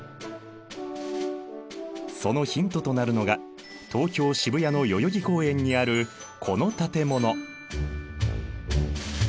そのヒントとなるのが東京・渋谷の代々木公園にあるこの建物。